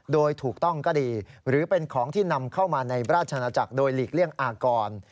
โดยถูกต้องก็ดีหรือเป็นของที่นำเข้ามาในราชนาจักรโดยหลีกเลี่ยงอากร